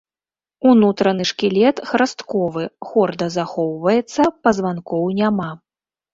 Унутраны шкілет храстковы, хорда захоўваецца, пазванкоў няма.